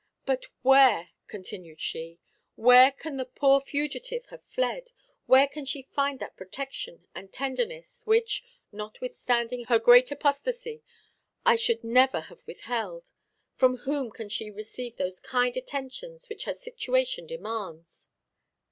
But where," continued she, "where can the poor fugitive have fled? Where can she find that protection and tenderness, which, notwithstanding her great apostasy, I should never have withheld? From whom can she receive those kind attentions which her situation demands."